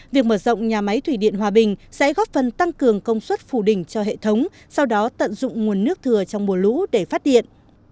việc mở rộng nhà máy thủy điện hòa bình sẽ góp phần tăng cường công suất phù đỉnh cho hệ thống sau đó tận dụng nguồn nước thừa trong mùa lũ để phát điện